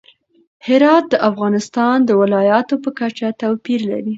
هرات د افغانستان د ولایاتو په کچه توپیر لري.